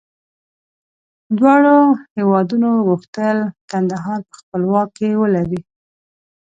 دواړو هېوادونو غوښتل کندهار په خپل واک کې ولري.